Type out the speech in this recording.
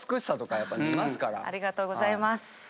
ありがとうございます。